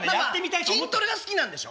まあまあ筋トレが好きなんでしょ？